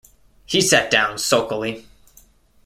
He sat down sulkily.